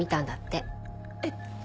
えっ？